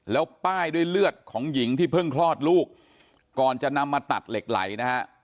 แล้วป้ายด้วยเลือดของหญิงที่เพิ่งคลอดลูกก่อนจะนำมาตัดเหล็กไหลนะฮะ